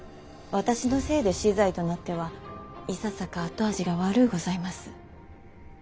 私のせいで死罪となってはいささか後味が悪うございます。